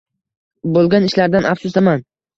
Bo'lgan ishlardan afsusdaman.